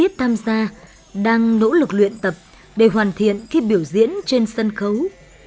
họ đang tham gia đang nỗ lực luyện tập để hoàn thiện khi biểu diễn trên sân khấu